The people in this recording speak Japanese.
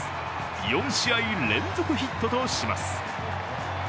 ４試合連続ヒットとします。